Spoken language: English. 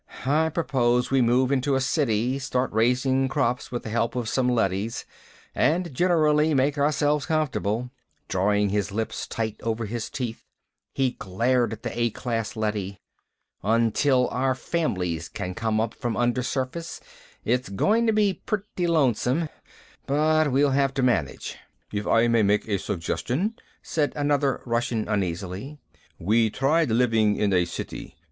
I propose we move into a city, start raising crops with the help of some leadys, and generally make ourselves comfortable." Drawing his lips tight over his teeth, he glared at the A class leady. "Until our families can come up from undersurface, it's going to be pretty lonesome, but we'll have to manage." "If I may make a suggestion," said another Russian uneasily. "We tried living in a city.